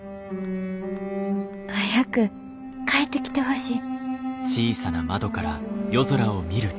早く帰ってきてほしい」。